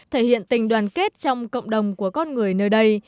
thể hiện tình đoàn kết trong cộng đồng của con người nơi đây